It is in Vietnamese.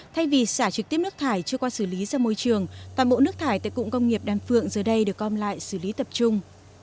thay vì xả trực tiếp nước thải chưa qua xử lý ra môi trường toàn bộ nước thải tại cụng công nghiệp đan phượng giờ đây được gom lại xử lý tập trung